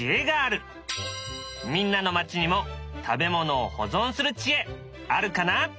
みんなの町にも食べ物を保存する知恵あるかな？